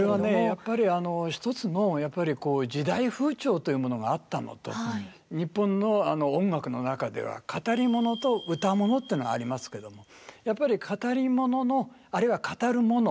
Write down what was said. やっぱり一つのやっぱり時代風潮というものがあったのと日本の音楽の中では語り物と唄物っていうのがありますけどもやっぱり語り物のあるいは語る物。